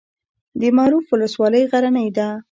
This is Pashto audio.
د معروف ولسوالۍ غرنۍ ده